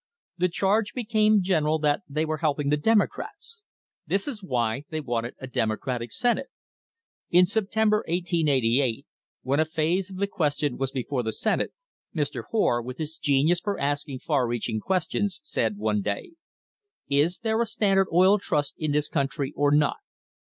The charge became general that they were helping the Democrats. This is why they wanted a Democratic Senate. In September, 1888, when a phase of the question was before the Senate, Mr. Hoar, with his genius for asking far reaching questions, said one day: "Is there a Standard Oil Trust in this country or not?